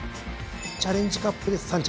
チャレンジカップで３着。